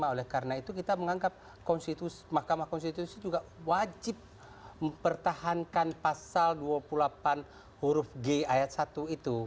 oleh karena itu kita menganggap mahkamah konstitusi juga wajib mempertahankan pasal dua puluh delapan huruf g ayat satu itu